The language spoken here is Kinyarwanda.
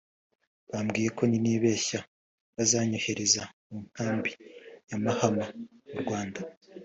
Bambwiye ko ninibeshya bazanyohereza mu nkambi ya Mahama mu Rwanda